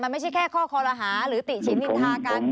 มันไม่ใช่แค่ข้อคอรหาหรือติฉินนินทากัน